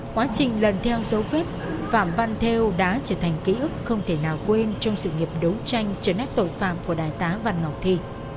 quá trình lần theo dấu vết phạm văn theo đã trở thành ký ức không thể nào quên trong sự nghiệp đấu tranh trấn áp tội phạm của đại tá văn ngọc thi